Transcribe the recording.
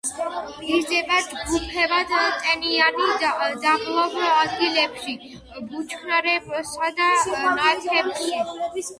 იზრდება ჯგუფებად ტენიან დაბლობ ადგილებში, ბუჩქნარებსა და ნათესებში.